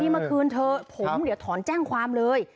มาคืนเถอะผมเดี๋ยวถอนแจ้งความเลย